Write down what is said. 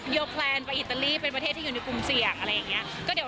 ยกแปลนไปอิตาลียเป็นประเทศที่อยู่ในปุ่มเศียะ